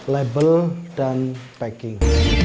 label dan packing